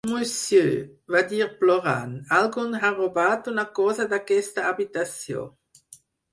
"Monsieur," va dir plorant, "algú ha robat una cosa d'aquesta habitació".